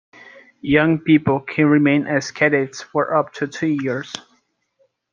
Young people can remain as cadets for up to two years.